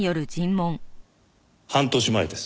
半年前です。